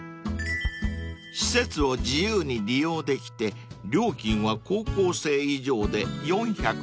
［施設を自由に利用できて料金は高校生以上で４８０円］